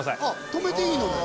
止めていいのね。